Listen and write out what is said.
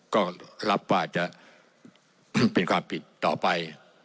ก็รับว่าจะเป็นความผิดต่อไป